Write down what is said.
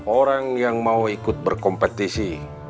orang yang mau ikut berkompetisi